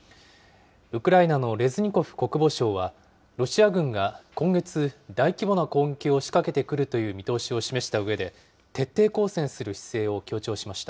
ウクライナのレズニコフ国防相は、ロシア軍が今月、大規模な攻撃を仕掛けてくるという見通しを示したうえで、徹底抗戦する姿勢を強調しました。